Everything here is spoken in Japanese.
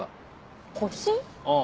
ああ。